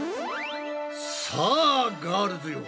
さあガールズよ！